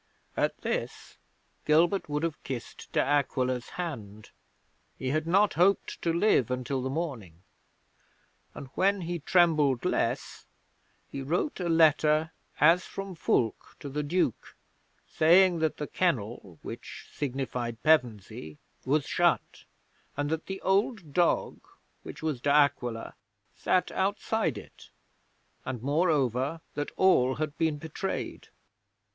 'At this Gilbert would have kissed De Aquila's hand he had not hoped to live until the morning and when he trembled less he wrote a letter as from Fulke to the Duke, saying that the Kennel, which signified Pevensey, was shut, and that the Old Dog (which was De Aquila) sat outside it, and, moreover, that all had been betrayed.